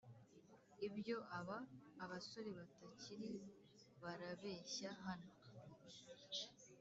ibyo aba (abasore batakiri) barabeshya hano